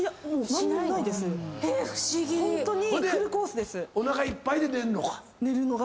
ほいでおなかいっぱいで寝る。